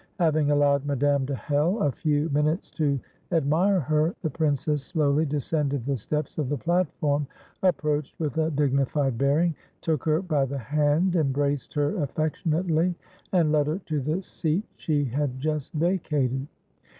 Having allowed Madame de Hell a few minutes to admire her, the princess slowly descended the steps of the platform, approached with a dignified bearing, took her by the hand, embraced her affectionately, and led her to the seat she had just vacated.